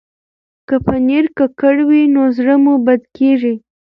که پنېر ککړ وي، زړه مو بد کېږي.